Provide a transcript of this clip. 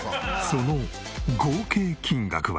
その合計金額は。